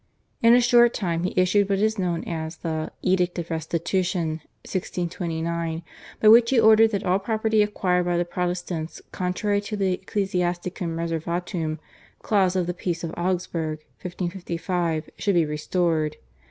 In a short time he issued what is known as the /Edict of Restitution/ (1629), by which he ordered that all property acquired by the Protestants contrary to the /Ecclesiasticum Reservatum/ clause of the Peace of Augsburg (1555) should be restored.